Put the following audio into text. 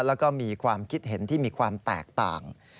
แล้วก็มีความคิดเห็นที่มีความแตกต่าง